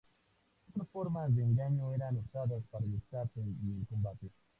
Otras formas de engaño eran usadas para el escape y el combate.